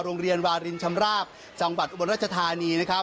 โรงเรียนวารินชำราบจังหวัดอุบันราชธานี